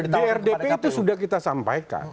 drdp itu sudah kita sampaikan